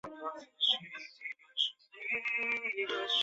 臧儿是西汉初燕王臧荼的孙女。